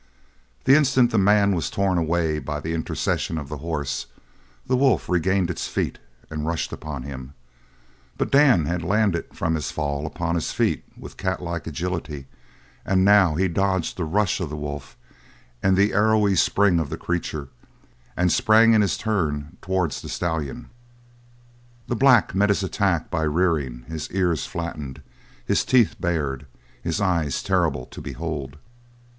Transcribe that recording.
The instant the man was torn away by the intercession of the horse, the wolf regained its feet and rushed upon him; but Dan had landed from his fall upon his feet, with catlike agility, and now he dodged the rush of the wolf and the arrowy spring of the creature, and sprang in his turn towards the stallion. The black met this attack by rearing, his ears flattened, his teeth bared, his eyes terrible to behold.